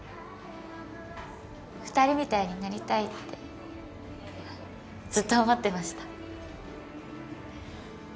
２人みたいになりたいってずっと思ってました。